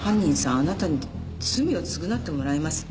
あなたに罪を償ってもらいます」。